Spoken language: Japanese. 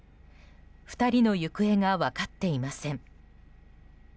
２人の行方が分かっていません。